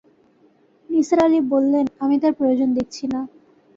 নিসার আলি বললেন, আমি তার প্রয়োজন দেখছি না।